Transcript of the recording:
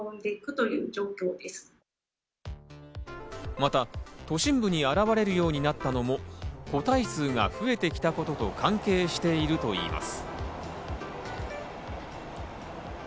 また、都心部に現れるようになったのも個体数が増えてきたことと関係しているといいます。